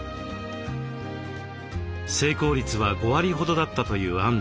成功率は５割ほどだったというあんどうさん。